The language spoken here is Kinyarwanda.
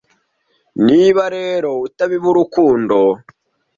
Niba rero utabiba urukundo